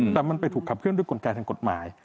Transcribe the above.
แต่มันไปถูกขับเคลื่อนด้วยกลไกทางกฎหมาย